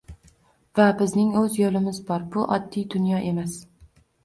Va bizning o'z yo'limiz bor, bu oddiy dunyo emas